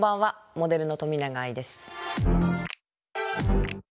モデルの冨永愛です。